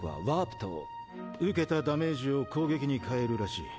受けたダメージを攻撃にかえるらしい。